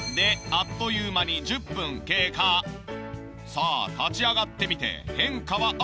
さあ立ち上がってみて変化はあるのか？